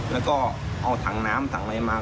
แล้วก็เอาถังน้ำของถังไวมา